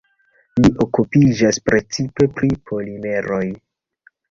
Li okupiĝas precipe pri polimeroj.